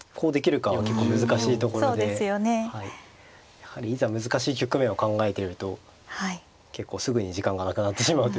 やはりいざ難しい局面を考えてると結構すぐに時間がなくなってしまうというか。